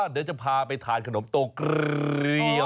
เดี๋ยวจะพาไปทานขนมโตเกลียว